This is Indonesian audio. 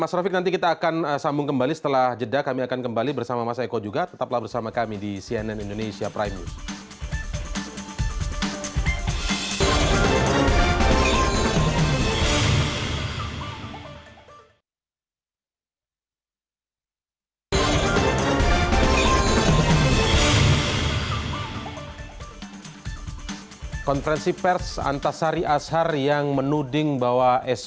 mas rafiq nanti kita akan sambung kembali setelah jeda kami akan kembali bersama mas eko juga tetaplah bersama kami di cnn indonesia prime news